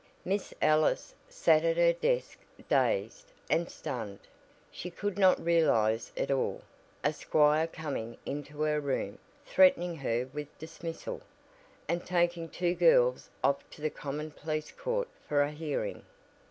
Miss Ellis sat at her desk dazed, and stunned. She could not realize it all a squire coming into her room threatening her with dismissal, and taking two girls off to the common police court for a "hearing."